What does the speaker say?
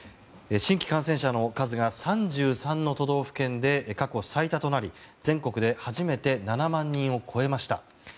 新規感染者の数が３３の都道府県で過去最多となる全国で初めて７万人を超えました。